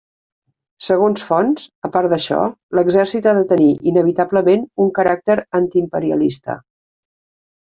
Segons fonts, a part d'això, l'exèrcit ha de tenir, inevitablement un caràcter antiimperialista.